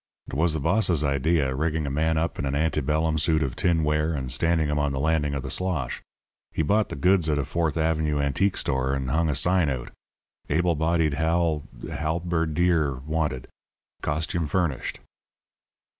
"It was the boss's idea, rigging a man up in an ante bellum suit of tinware and standing him on the landing of the slosh. He bought the goods at a Fourth Avenue antique store, and hung a sign out: 'Able bodied hal halberdier wanted. Costume furnished.'